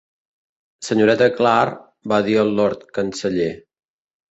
"Senyoreta Clare" va dir el lord canceller.